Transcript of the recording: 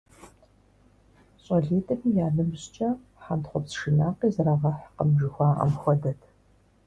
ЩӀалитӀми я ныбжькӀэ хьэнтхъупс шынакъи зэрагъэхькъым жыхуаӀэм хуэдэт.